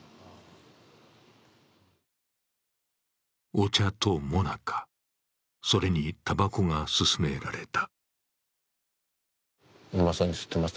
お茶ともなか、それにたばこが勧められた。